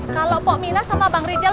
kalau pak minah sama bang rizal